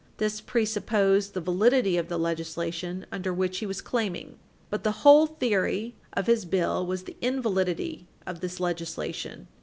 This presupposed the validity of the legislation under which he was claiming. But the whole theory of his bill was the invalidity of this legislation.